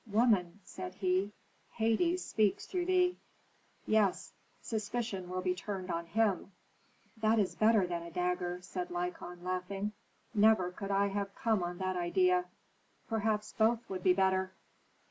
"Woman," said he, "Hades speaks through thee." "Yes; suspicion will be turned on him." "That is better than a dagger," said Lykon, laughing. "Never could I have come on that idea. Perhaps both would be better?"